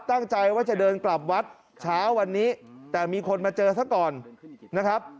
ตั้งใจว่าจะเดินกลับวัดเช้าวันนี้แต่มีคนมาเจอซะก่อนนะครับ